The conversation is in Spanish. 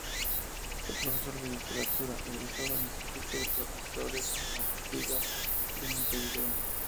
Fue profesor de literatura, egresado del Instituto de Profesores Artigas de Montevideo.